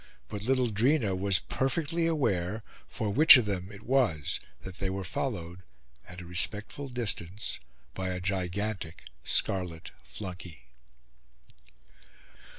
But little Drina was perfectly aware for which of them it was that they were followed, at a respectful distance, by a gigantic scarlet flunkey.